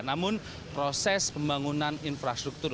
namun proses pembangunan infrastruktur